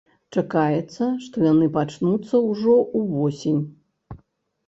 Чакаецца, што яны пачнуцца ўжо ўвосень.